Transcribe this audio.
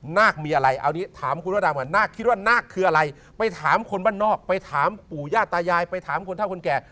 น่าคืออะไรไปถามคนบ้านนอกไปถามผู้ญาตายายไปถามคนเท่าคนแก่